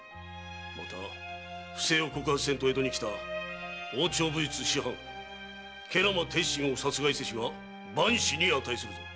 また不正を告発せんと江戸に来た王朝武術師範・慶良間鉄心を殺害せしは万死に値するぞ。